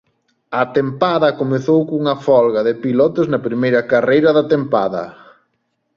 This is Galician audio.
A tempada comezou cunha folga de pilotos na primeira carreira da tempada.